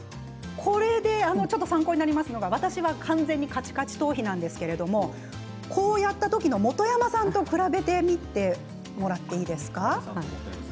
参考になりますのは私は完全にカチカチ頭皮なんですけどこうやった時の本山さんと比べてみてもらっていいですか？